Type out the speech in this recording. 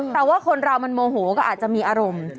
แต่ว่าคนเรามันโมโหก็อาจจะมีอารมณ์